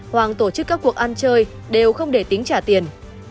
hoặc tổ chức các cuộc ăn chơi đều không để tính trả tiền